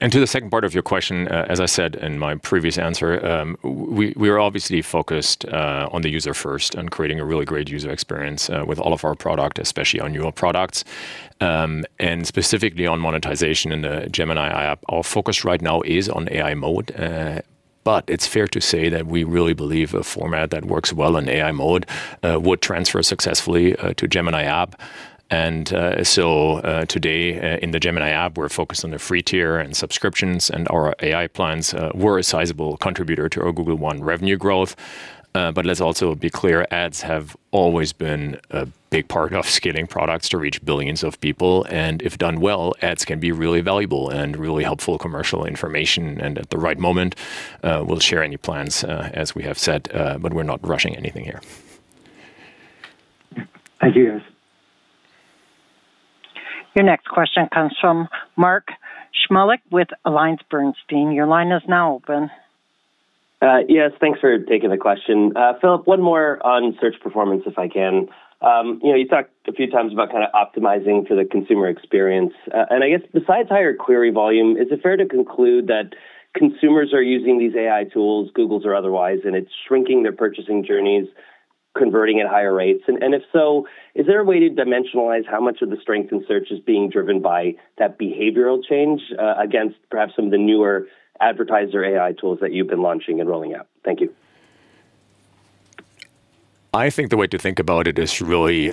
To the second part of your question, as I said in my previous answer, we are obviously focused on the user first and creating a really great user experience with all of our product, especially on newer products. Specifically on monetization in the Gemini app, our focus right now is on AI Mode. It's fair to say that we really believe a format that works well in AI Mode would transfer successfully to Gemini app. Today, in the Gemini app, we're focused on the free tier and subscriptions and our AI plans. We're a sizable contributor to our Google One revenue growth. Let's also be clear, ads have always been a big part of scaling products to reach billions of people, and if done well, ads can be really valuable and really helpful commercial information and at the right moment, we'll share any plans, as we have said, we're not rushing anything here. Thank you, guys. Your next question comes from Mark Shmulik with AllianceBernstein. Your line is now open. Yes, thanks for taking the question. Philipp, one more on Search performance, if I can. You know, you talked a few times about kind of optimizing for the consumer experience. I guess besides higher query volume, is it fair to conclude that consumers are using these AI tools, Google's or otherwise, and it's shrinking their purchasing journeys, converting at higher rates? If so, is there a way to dimensionalize how much of the strength in Search is being driven by that behavioral change, against perhaps some of the newer advertiser AI tools that you've been launching and rolling out? Thank you. I think the way to think about it is really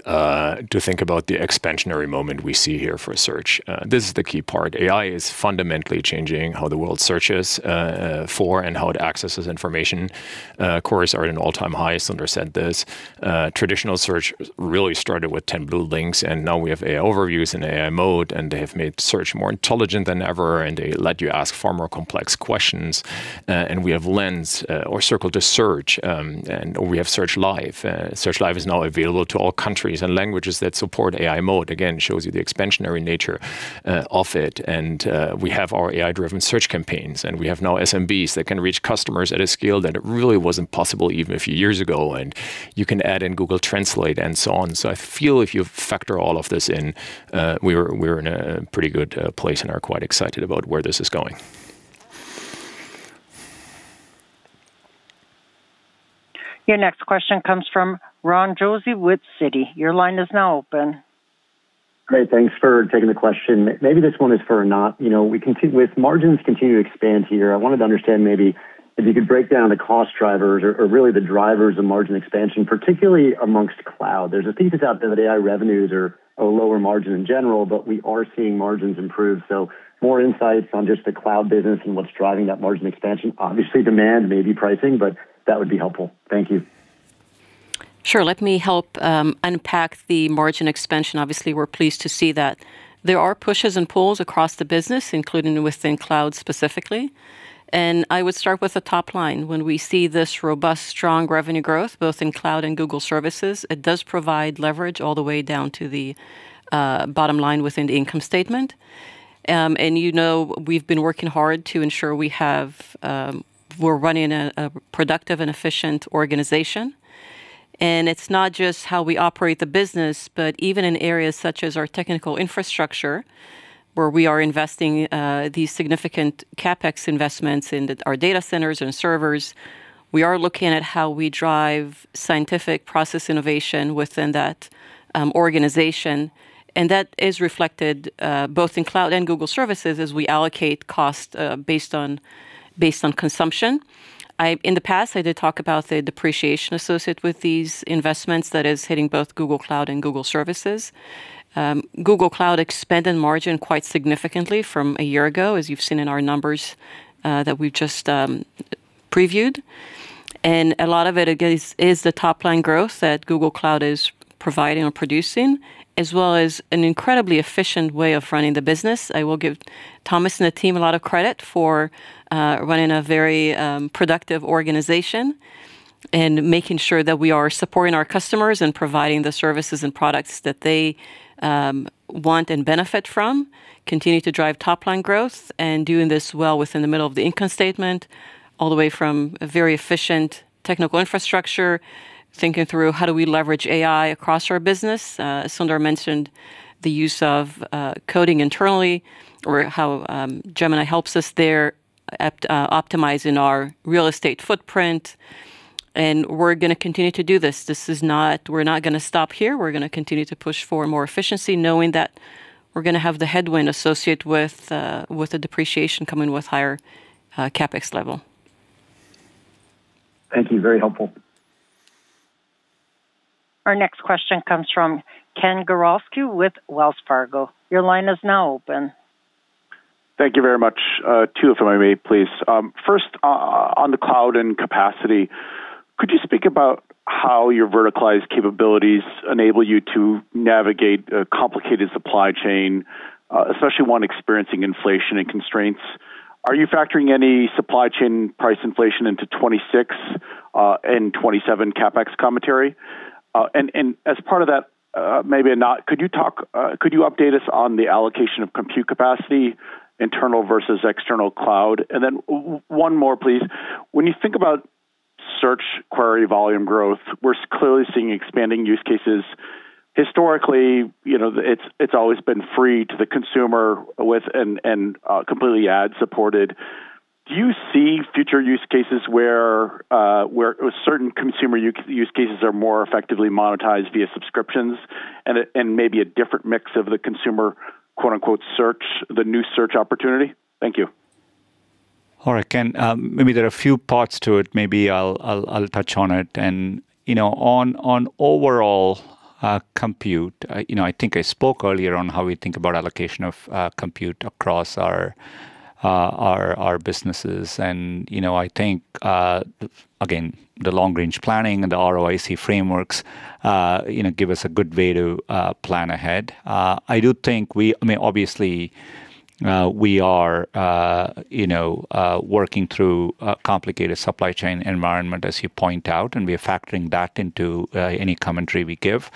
to think about the expansionary moment we see here for Search. This is the key part. AI is fundamentally changing how the world searches for and how it accesses information. Queries are at an all-time highest, Sundar said this. Traditional search really started with 10 blue links. Now we have AI Overviews and AI Mode. They have made Search more intelligent than ever. They let you ask far more complex questions. We have Lens or Circle to Search, or we have Search Live. Search Live is now available to all countries and languages that support AI Mode. Again, shows you the expansionary nature of it. We have our AI-driven search campaigns, and we have now SMBs that can reach customers at a scale that it really wasn't possible even a few years ago. You can add in Google Translate and so on. I feel if you factor all of this in, we're in a pretty good place and are quite excited about where this is going. Your next question comes from Ron Josey with Citi. Your line is now open. Great. Thanks for taking the question. Maybe this one is for Anat. You know, we with margins continuing to expand here, I wanted to understand maybe if you could break down the cost drivers or really the drivers of margin expansion, particularly amongst Google Cloud. There's a thesis out there that AI revenues are a lower margin in general, but we are seeing margins improve. More insights on just the Google Cloud business and what's driving that margin expansion. Obviously, demand, maybe pricing, but that would be helpful. Thank you. Sure. Let me help unpack the margin expansion. Obviously, we're pleased to see that. There are pushes and pulls across the business, including within Cloud specifically. I would start with the top line. When we see this robust, strong revenue growth, both in Cloud and Google Services, it does provide leverage all the way down to the bottom line within the income statement. You know, we've been working hard to ensure we're running a productive and efficient organization. It's not just how we operate the business, but even in areas such as our technical infrastructure, where we are investing these significant CapEx investments into our data centers and servers. We are looking at how we drive scientific process innovation within that organization. That is reflected both in Cloud and Google Services as we allocate cost based on consumption. In the past, I did talk about the depreciation associated with these investments that is hitting both Google Cloud and Google Services. Google Cloud expanded margin quite significantly from a year ago, as you've seen in our numbers that we just previewed. A lot of it, again, is the top line growth that Google Cloud is providing or producing, as well as an incredibly efficient way of running the business. I will give Thomas and the team a lot of credit for running a very productive organization and making sure that we are supporting our customers and providing the services and products that they want and benefit from, continue to drive top-line growth and doing this well within the middle of the income statement, all the way from a very efficient technical infrastructure, thinking through how do we leverage AI across our business. Sundar mentioned the use of coding internally or how Gemini helps us there at optimizing our real estate footprint. We're gonna continue to do this. We're not gonna stop here. We're gonna continue to push for more efficiency, knowing that we're gonna have the headwind associated with the depreciation coming with higher CapEx level. Thank you. Very helpful. Our next question comes from Ken Gawrelski with Wells Fargo. Your line is now open. Thank you very much. Two, if I may please. First, on the cloud and capacity, could you speak about how your verticalized capabilities enable you to navigate a complicated supply chain, especially one experiencing inflation and constraints? Are you factoring any supply chain price inflation into 2026 and 2027 CapEx commentary? As part of that, Anat, could you update us on the allocation of compute capacity, internal versus external cloud? Then one more, please. When you think about search query volume growth, we're clearly seeing expanding use cases. Historically, you know, it's always been free to the consumer with completely ad-supported. Do you see future use cases where certain consumer use cases are more effectively monetized via subscriptions and maybe a different mix of the consumer, quote-unquote, search, the new search opportunity? Thank you. All right, Ken. Maybe there are a few parts to it. Maybe I'll touch on it. On overall compute, you know, I think I spoke earlier on how we think about allocation of compute across our businesses. I think, again, the long-range planning and the ROIC frameworks, you know, give us a good way to plan ahead. I mean, obviously, we are, you know, working through a complicated supply chain environment, as you point out, and we are factoring that into any commentary we give.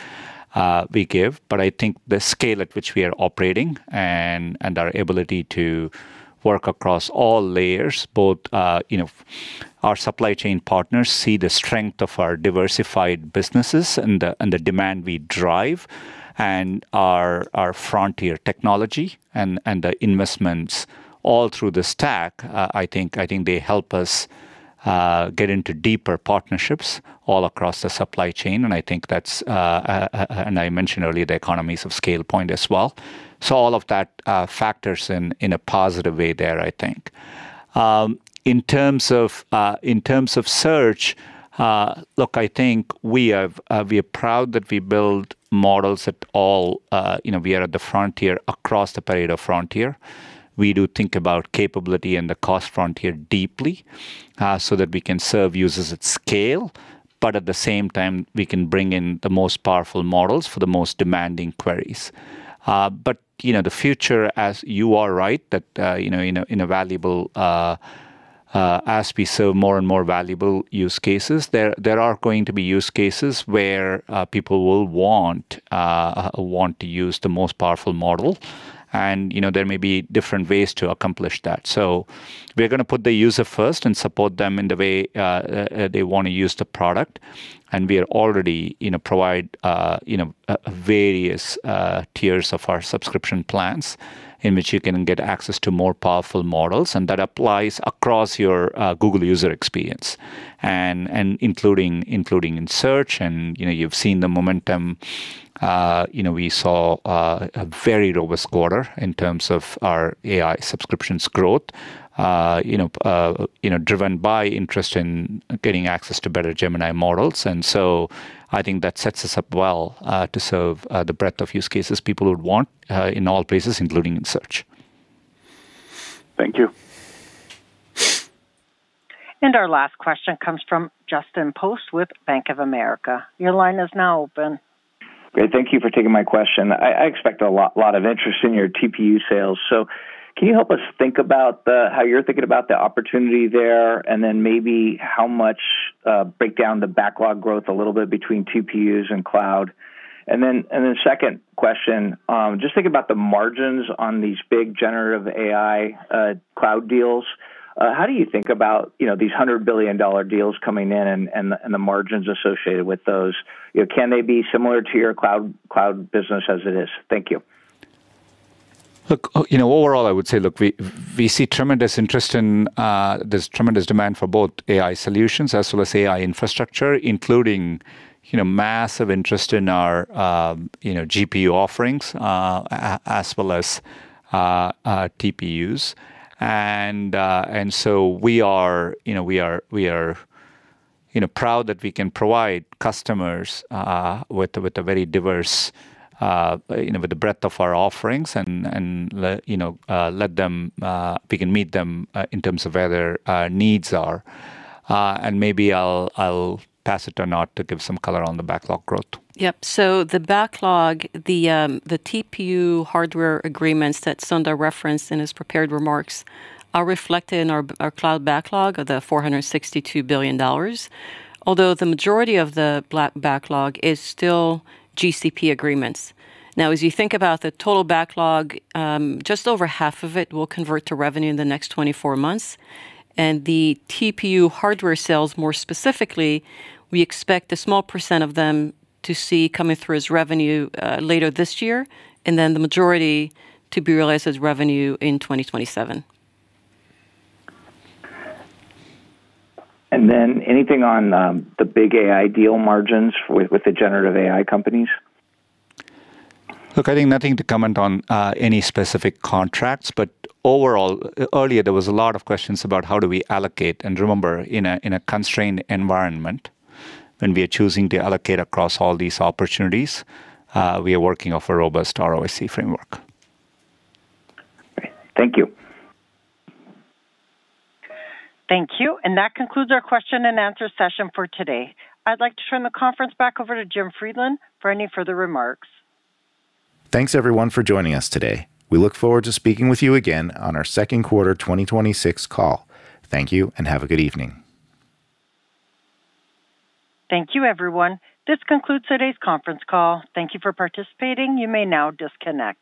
I think the scale at which we are operating and our ability to work across all layers, both, you know, our supply chain partners see the strength of our diversified businesses and the, and the demand we drive and our frontier technology and the investments all through the stack, I think, I think they help us get into deeper partnerships all across the supply chain. I think that's, and I mentioned earlier the economies of scale point as well. All of that factors in a positive way there, I think. In terms of, in terms of Search, look, I think we are proud that we build models at all, you know, we are at the frontier across the period of frontier. We do think about capability and the cost frontier deeply, so that we can serve users at scale, but at the same time, we can bring in the most powerful models for the most demanding queries. You know, the future, as you are right, that, you know, in a, in a valuable, as we serve more and more valuable use cases, there are going to be use cases where people will want to use the most powerful model. You know, there may be different ways to accomplish that. We're gonna put the user first and support them in the way they wanna use the product. We are already, you know, provide, you know, various tiers of our subscription plans in which you can get access to more powerful models, and that applies across your Google user experience and including in Search. You know, you've seen the momentum. You know, we saw a very robust quarter in terms of our AI subscriptions growth, you know, driven by interest in getting access to better Gemini models. I think that sets us up well to serve the breadth of use cases people would want in all places, including in Search. Thank you. Our last question comes from Justin Post with Bank of America. Your line is now open. Great. Thank you for taking my question. I expect a lot of interest in your TPU sales. Can you help us think about how you're thinking about the opportunity there, then maybe how much breakdown the backlog growth a little bit between TPUs and Cloud? Second question, just thinking about the margins on these big generative AI cloud deals. How do you think about, you know, these $100 billion deals coming in and the, and the margins associated with those? You know, can they be similar to your cloud business as it is? Thank you. Look, you know, overall, I would say, look, we see tremendous interest in, there's tremendous demand for both AI solutions as well as AI infrastructure, including, you know, massive interest in our, you know, GPU offerings, as well as TPUs. So we are, you know, proud that we can provide customers with a very diverse, you know, with the breadth of our offerings and, you know, let them, we can meet them in terms of where their needs are. Maybe I'll pass it to Anat to give some color on the backlog growth. Yep. The backlog, the TPU hardware agreements that Sundar referenced in his prepared remarks are reflected in our cloud backlog of $46 billion, although the majority of the backlog is still GCP agreements. As you think about the total backlog, just over half of it will convert to revenue in the next 24 months. The TPU hardware sales, more specifically, we expect a small percent of them to see coming through as revenue later this year, and then the majority to be realized as revenue in 2027. Anything on the big AI deal margins with the generative AI companies? Look, I think nothing to comment on, any specific contracts, but overall, earlier there was a lot of questions about how do we allocate. Remember, in a constrained environment, when we are choosing to allocate across all these opportunities, we are working off a robust ROIC framework. Thank you. Thank you, and that concludes our question and answer session for today. I'd like to turn the conference back over to Jim Friedland for any further remarks. Thanks everyone for joining us today. We look forward to speaking with you again on our second quarter 2026 call. Thank you, and have a good evening. Thank you, everyone. This concludes today's conference call. Thank you for participating. You may now disconnect.